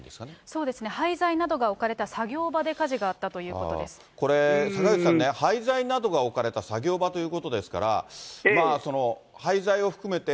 そうですね、廃材などが置かれた作業場で火事があったというこれ、坂口さんね、廃材などが置かれた作業場ということですから、廃材を含めて、